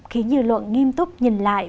khiến dự luận nghiêm túc nhìn lại